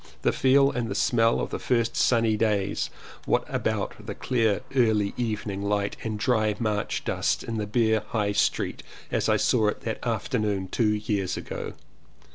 The feel and the smell of the first sunny days? What about the clear early evening light and dry March dust in Bere High Street as I saw it that afternoon two years ago?